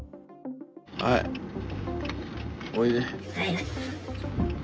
はい、おいで。